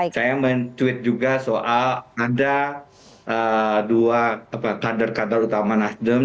saya mencuit juga soal ada dua kader kader utama nasdem